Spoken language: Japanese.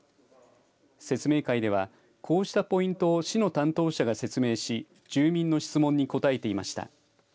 説明会ではこうしたポイントを市の担当者が説明し住民の質問に答えていました。